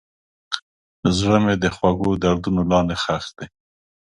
زړه مې د خوږو دردونو لاندې ښخ دی.